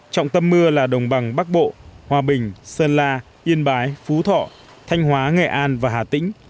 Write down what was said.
trọng tâm mưa là đồng bằng bắc bộ hòa bình sơn la yên bái phú thọ thanh hóa nghệ an và hà tĩnh